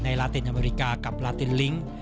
ในลาเตนอเมริกากับลาเตนลิงก์